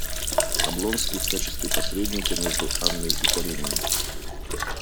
Облонский в качестве посредника между Анной и Карениным.